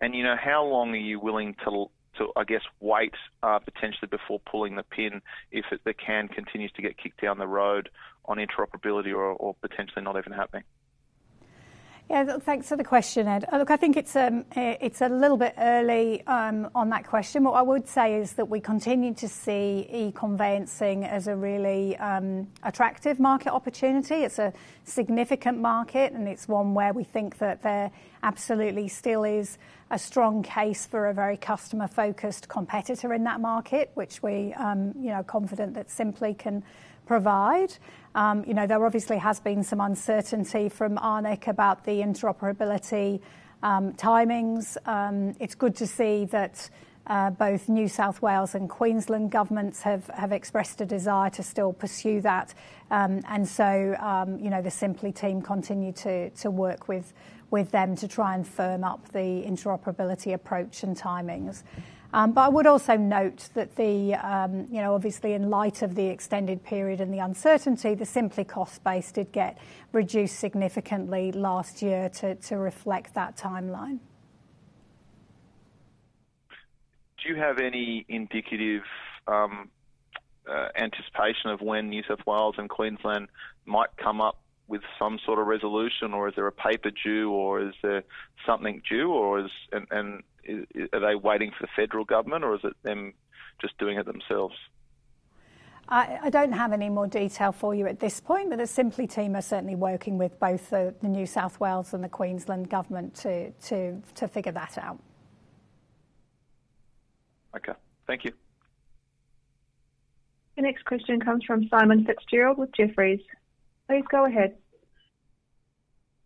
F: And you know, how long are you willing to, I guess, wait potentially before pulling the pin if it, the can continues to get kicked down the road on interoperability or potentially not even happening?
A: Yeah, look, thanks for the question, Ed. Look, I think it's a little bit early on that question. What I would say is that we continue to see e-conveyancing as a really attractive market opportunity. It's a significant market, and it's one where we think that there absolutely still is a strong case for a very customer-focused competitor in that market, which we, you know, are confident that Simply can provide. You know, there obviously has been some uncertainty from ARNECC about the interoperability timings. It's good to see that both New South Wales and Queensland governments have expressed a desire to still pursue that. And so, you know, the Sympli team continue to work with them to try and firm up the interoperability approach and timings. But I would also note that the, you know, obviously, in light of the extended period and the uncertainty, the Sympli cost base did get reduced significantly last year to reflect that timeline.
F: Do you have any indicative anticipation of when New South Wales and Queensland might come up with some sort of resolution, or is there a paper due, or is there something due, or is... And are they waiting for the federal government, or is it them just doing it themselves?
A: I don't have any more detail for you at this point, but the Sympli team are certainly working with both the New South Wales and the Queensland government to figure that out.
F: Okay. Thank you.
C: The next question comes from Simon Fitzgerald with Jefferies. Please go ahead.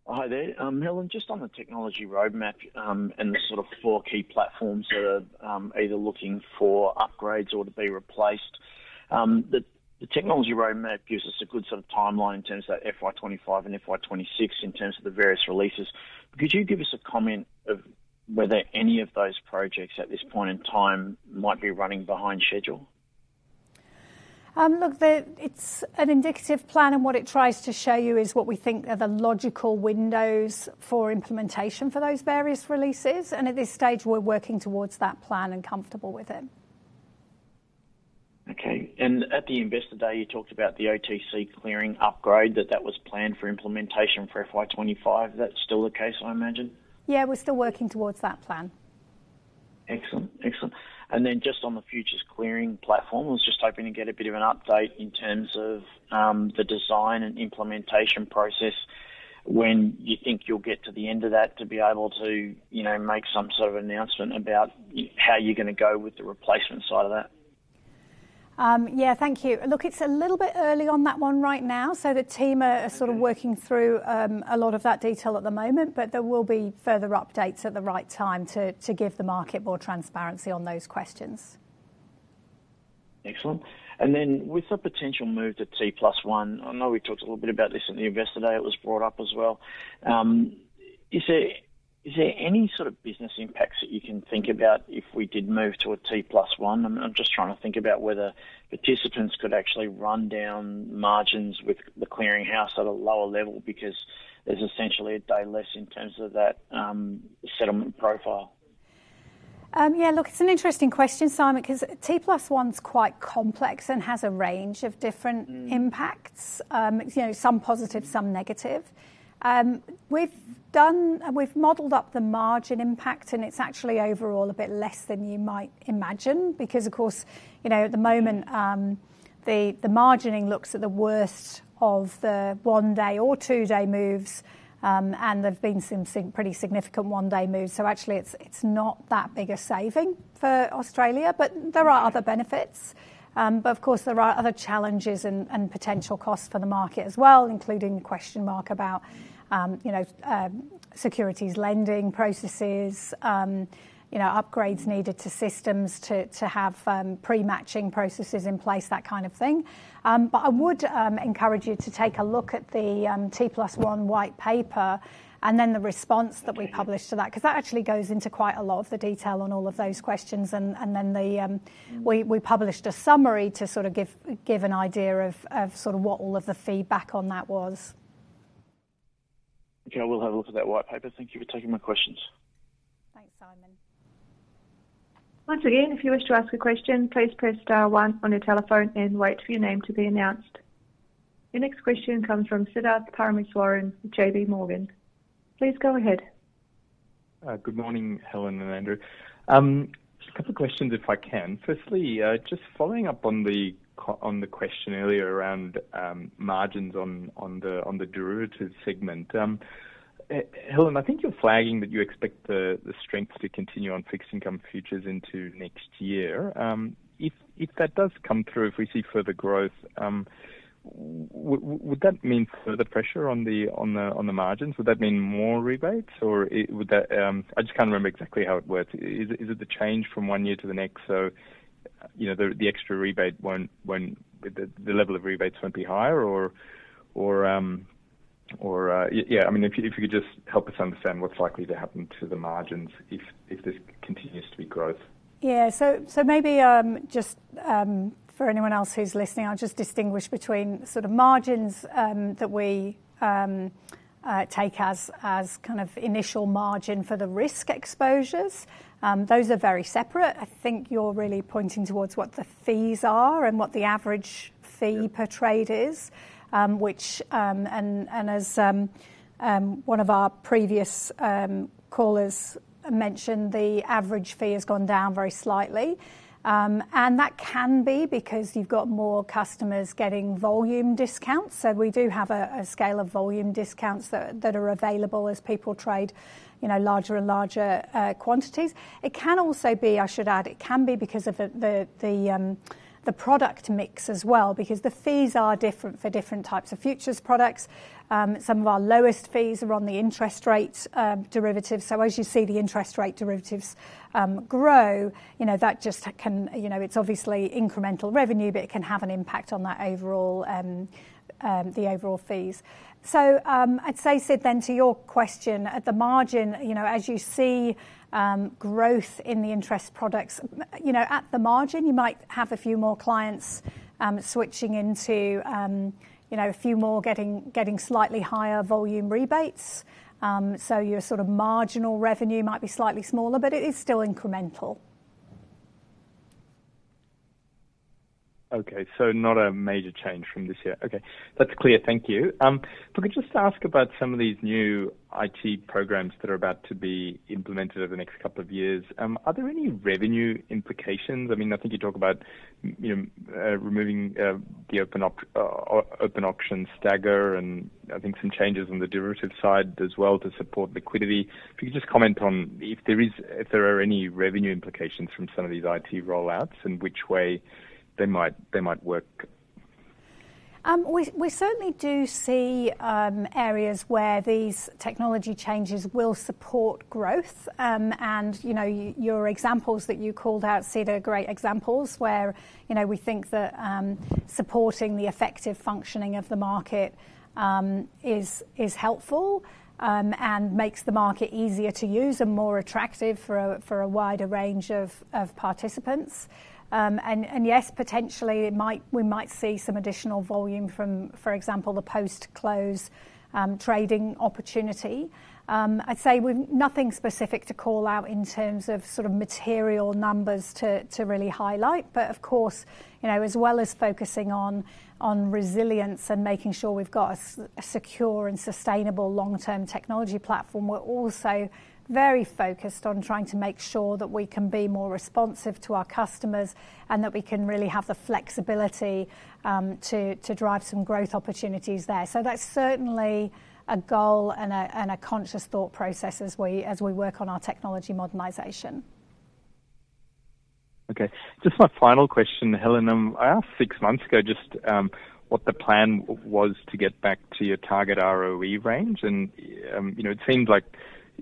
G: Hi there. Helen, just on the technology roadmap, and the sort of four key platforms that are either looking for upgrades or to be replaced. The technology roadmap gives us a good sort of timeline in terms of FY 2025 and FY 2026, in terms of the various releases. Could you give us a comment of whether any of those projects at this point in time might be running behind schedule? ...
A: Look, it's an indicative plan, and what it tries to show you is what we think are the logical windows for implementation for those various releases, and at this stage, we're working towards that plan and comfortable with it.
G: Okay. And at the Investor Day, you talked about the OTC clearing upgrade, that that was planned for implementation for FY 2025. Is that still the case, I imagine?
A: Yeah, we're still working towards that plan.
G: Excellent. Excellent. And then just on the futures clearing platform, I was just hoping to get a bit of an update in terms of the design and implementation process, when you think you'll get to the end of that to be able to, you know, make some sort of announcement about how you're gonna go with the replacement side of that.
A: Yeah, thank you. Look, it's a little bit early on that one right now, so the team are sort of working through a lot of that detail at the moment, but there will be further updates at the right time to give the market more transparency on those questions.
G: Excellent. And then with the potential move to T+1, I know we talked a little bit about this in the Investor Day. It was brought up as well. Is there any sort of business impacts that you can think about if we did move to a T+1? I'm just trying to think about whether participants could actually run down margins with the clearing house at a lower level because there's essentially a day less in terms of that, settlement profile.
A: Yeah, look, it's an interesting question, Simon, 'cause T+1's quite complex and has a range of different-
G: Mm.
A: impacts, you know, some positive, some negative. We've modeled up the margin impact, and it's actually overall a bit less than you might imagine, because, of course, you know, at the moment, the margining looks at the worst of the one-day or two-day moves. And there's been some pretty significant one-day moves. So actually, it's not that big a saving for Australia, but there are other benefits. But of course, there are other challenges and potential costs for the market as well, including a question mark about, you know, securities lending processes, you know, upgrades needed to systems to have pre-matching processes in place, that kind of thing. I would encourage you to take a look at the T+1 white paper and then the response that we published to that.
G: Okay.
A: 'cause that actually goes into quite a lot of the detail on all of those questions. And then we published a summary to sort of give an idea of sort of what all of the feedback on that was.
G: Okay, I will have a look at that white paper. Thank you for taking my questions.
A: Thanks, Simon.
C: Once again, if you wish to ask a question, please press star one on your telephone and wait for your name to be announced. The next question comes from Siddharth Parameswaran with J.P. Morgan. Please go ahead.
H: Good morning, Helen and Andrew. Just a couple of questions, if I can. Firstly, just following up on the question earlier around margins on the derivatives segment. Helen, I think you're flagging that you expect the strength to continue on fixed income futures into next year. If that does come through, if we see further growth, would that mean further pressure on the margins? Would that mean more rebates, or would that... I just can't remember exactly how it works. Is it the change from one year to the next, so, you know, the extra rebate won't—the level of rebates won't be higher or... Yeah, I mean, if you could just help us understand what's likely to happen to the margins if there continues to be growth.
A: Yeah. So maybe, just for anyone else who's listening, I'll just distinguish between sort of margins that we take as kind of initial margin for the risk exposures. Those are very separate. I think you're really pointing towards what the fees are and what the average fee-
H: Yeah
A: Per trade is. Which, and as one of our previous callers mentioned, the average fee has gone down very slightly. And that can be because you've got more customers getting volume discounts. So we do have a scale of volume discounts that are available as people trade, you know, larger and larger quantities. It can also be, I should add, it can be because of the product mix as well, because the fees are different for different types of futures products. Some of our lowest fees are on the interest rate derivatives. So as you see the interest rate derivatives grow, you know, that just can, you know, it's obviously incremental revenue, but it can have an impact on that overall, the overall fees. So, I'd say, Sid, then to your question, at the margin, you know, as you see, growth in the interest products, you know, at the margin, you might have a few more clients, switching into, you know, a few more getting slightly higher volume rebates. So your sort of marginal revenue might be slightly smaller, but it is still incremental.
H: Okay, so not a major change from this year. Okay, that's clear. Thank you. If I could just ask about some of these new IT programs that are about to be implemented over the next couple of years. Are there any revenue implications? I mean, I think you talk about, you know, removing the open option stagger, and I think some changes on the derivative side as well to support liquidity. If you could just comment on if there are any revenue implications from some of these IT rollouts and which way they might work. ...
A: We certainly do see areas where these technology changes will support growth. And, you know, your examples that you called out, they're great examples where, you know, we think that supporting the effective functioning of the market is helpful, and makes the market easier to use and more attractive for a wider range of participants. And yes, potentially we might see some additional volume from, for example, the post-close trading opportunity. I'd say we've nothing specific to call out in terms of sort of material numbers to really highlight, but of course, you know, as well as focusing on resilience and making sure we've got a secure and sustainable long-term technology platform, we're also very focused on trying to make sure that we can be more responsive to our customers and that we can really have the flexibility to drive some growth opportunities there. So that's certainly a goal and a conscious thought process as we work on our technology modernization.
H: Okay. Just my final question, Helen. I asked six months ago just, what the plan was to get back to your target ROE range, and, you know, it seems like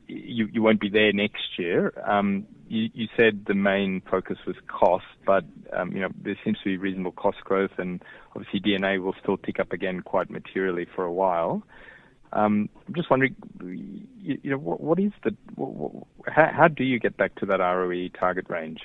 H: you, you won't be there next year. You said the main focus was cost, but, you know, there seems to be reasonable cost growth, and obviously, DNA will still tick up again quite materially for a while. I'm just wondering, you know, what, what is the... How, how do you get back to that ROE target range?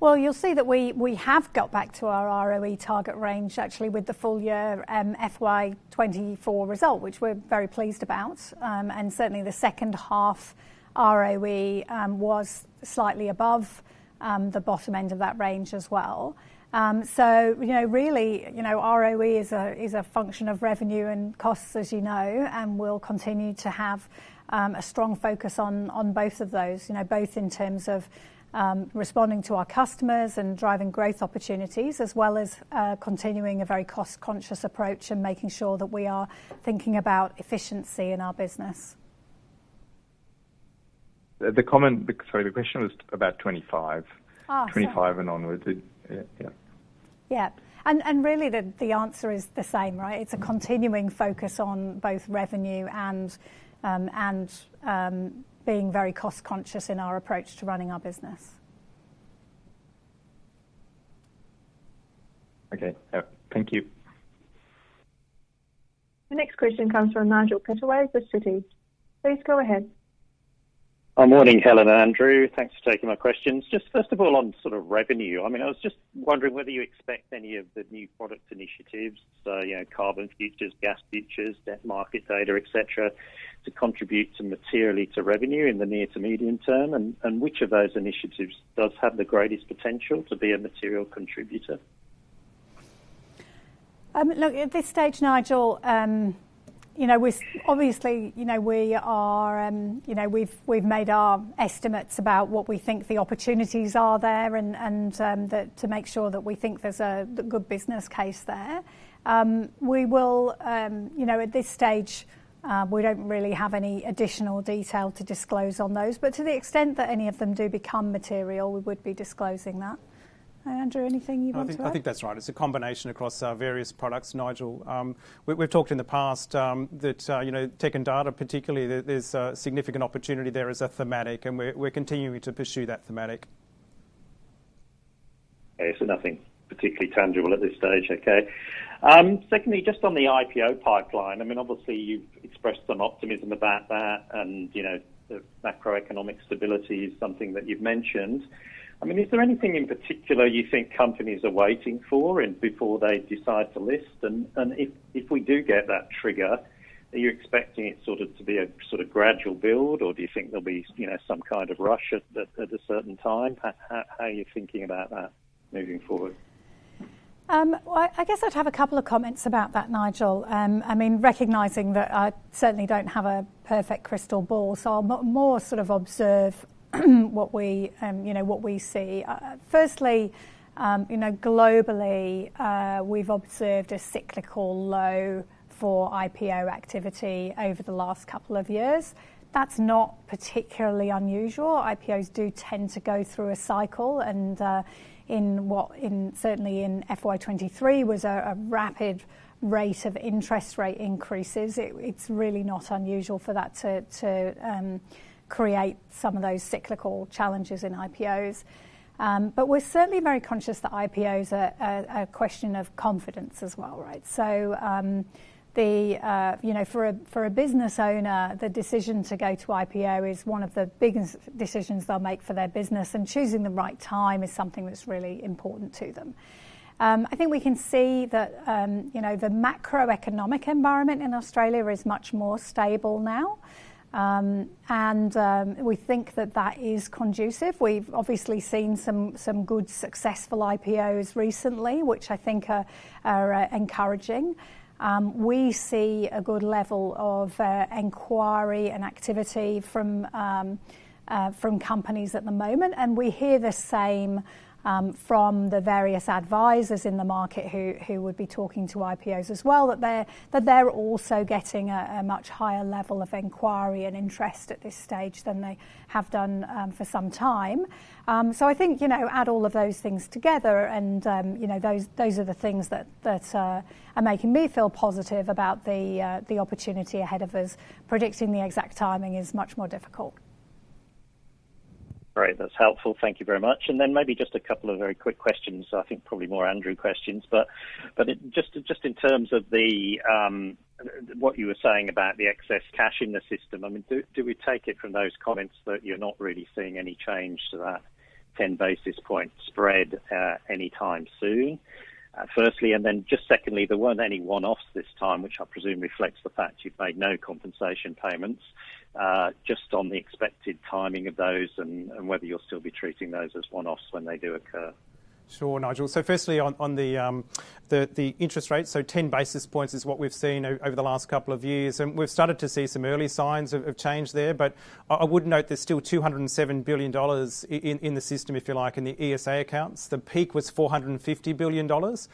A: Well, you'll see that we have got back to our ROE target range, actually, with the full year FY 2024 result, which we're very pleased about. And certainly, the second half ROE was slightly above the bottom end of that range as well. So you know, really, you know, ROE is a function of revenue and costs, as you know, and we'll continue to have a strong focus on both of those, you know, both in terms of responding to our customers and driving growth opportunities, as well as continuing a very cost-conscious approach and making sure that we are thinking about efficiency in our business.
H: The comment, sorry, the question was about 25.
A: Ah, so-
H: 25 and onwards. Yeah.
A: Yeah. Really, the answer is the same, right?
H: Mm.
A: It's a continuing focus on both revenue and being very cost conscious in our approach to running our business.
H: Okay. Yeah. Thank you.
C: The next question comes from Nigel Pittaway of the Citi. Please go ahead.
I: Good morning, Helen and Andrew. Thanks for taking my questions. Just first of all, on sort of revenue, I mean, I was just wondering whether you expect any of the new product initiatives, so, you know, carbon futures, gas futures, debt market data, et cetera, to contribute to materially to revenue in the near to medium term, and which of those initiatives does have the greatest potential to be a material contributor?
A: Look, at this stage, Nigel, you know, we obviously, you know, we are, you know, we've made our estimates about what we think the opportunities are there and that to make sure that we think there's a good business case there. We will, you know, at this stage, we don't really have any additional detail to disclose on those, but to the extent that any of them do become material, we would be disclosing that. Andrew, anything you'd want to add?
B: I think, I think that's right. It's a combination across our various products, Nigel. We've talked in the past, that you know, tech and data, particularly, there's a significant opportunity there as a thematic, and we're continuing to pursue that thematic.
I: Okay, so nothing particularly tangible at this stage. Okay. Secondly, just on the IPO pipeline, I mean, obviously, you've expressed some optimism about that, and, you know, the macroeconomic stability is something that you've mentioned. I mean, is there anything in particular you think companies are waiting for before they decide to list? And if we do get that trigger, are you expecting it sort of to be a sort of gradual build, or do you think there'll be, you know, some kind of rush at a certain time? How are you thinking about that moving forward?
A: Well, I guess I'd have a couple of comments about that, Nigel. I mean, recognizing that I certainly don't have a perfect crystal ball, so I'll more sort of observe what we, you know, what we see. Firstly, you know, globally, we've observed a cyclical low for IPO activity over the last couple of years. That's not particularly unusual. IPOs do tend to go through a cycle, and in what, in certainly in FY 2023, was a rapid rate of interest rate increases. It's really not unusual for that to create some of those cyclical challenges in IPOs. But we're certainly very conscious that IPO is a question of confidence as well, right? So, you know, for a business owner, the decision to go to IPO is one of the biggest decisions they'll make for their business, and choosing the right time is something that's really important to them. I think we can see that, you know, the macroeconomic environment in Australia is much more stable now, and we think that that is conducive. We've obviously seen some good, successful IPOs recently, which I think are encouraging. We see a good level of inquiry and activity from companies at the moment, and we hear the same from the various advisors in the market who would be talking to IPOs as well, that they're also getting a much higher level of inquiry and interest at this stage than they have done for some time. So I think, you know, add all of those things together, and you know, those are the things that are making me feel positive about the opportunity ahead of us. Predicting the exact timing is much more difficult. ...
I: Great. That's helpful. Thank you very much. And then maybe just a couple of very quick questions. I think probably more Andrew questions, but just in terms of the what you were saying about the excess cash in the system, I mean, do we take it from those comments that you're not really seeing any change to that 10 basis point spread anytime soon, firstly? And then just secondly, there weren't any one-offs this time, which I presume reflects the fact you've made no compensation payments. Just on the expected timing of those and whether you'll still be treating those as one-offs when they do occur.
B: Sure, Nigel. So firstly, on the interest rates, so 10 basis points is what we've seen over the last couple of years, and we've started to see some early signs of change there. But I would note there's still 207 billion dollars in the system, if you like, in the ESA accounts. The peak was 450 billion dollars.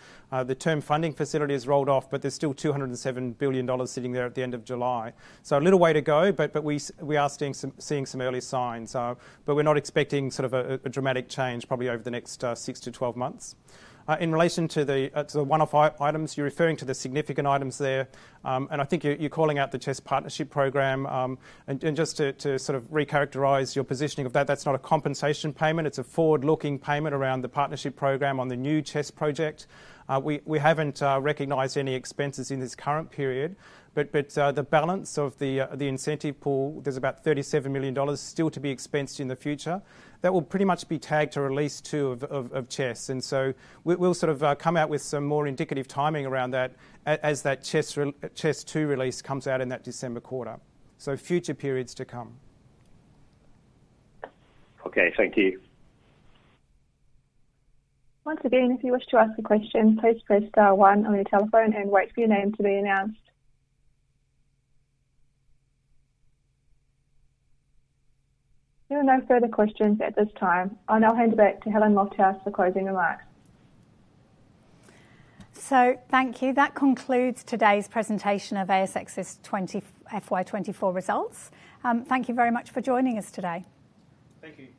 B: The term funding facility has rolled off, but there's still 207 billion dollars sitting there at the end of July. So a little way to go, but we are seeing some early signs. But we're not expecting sort of a dramatic change probably over the next 6 to 12 months. In relation to the one-off items, you're referring to the significant items there. And I think you're calling out the CHESS Partnership Program. And just to sort of recharacterize your positioning of that, that's not a compensation payment. It's a forward-looking payment around the partnership program on the new CHESS project. We haven't recognized any expenses in this current period, but the balance of the incentive pool, there's about 37 million dollars still to be expensed in the future. That will pretty much be tagged to release 2 of CHESS. And so we'll sort of come out with some more indicative timing around that as that CHESS 2 release comes out in that December quarter. So future periods to come.
I: Okay, thank you.
C: Once again, if you wish to ask a question, please press star one on your telephone and wait for your name to be announced. There are no further questions at this time. I'll now hand it back to Helen Lofthouse for closing remarks.
A: Thank you. That concludes today's presentation of ASX's FY 2024 results. Thank you very much for joining us today.
B: Thank you.